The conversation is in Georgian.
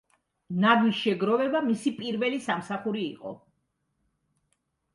ნაგვის შეგროვება მისი პირველი სამსახური იყო.